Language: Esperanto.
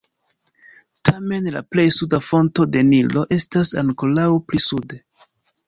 Tamen la plej suda fonto de Nilo estas ankoraŭ pli sude.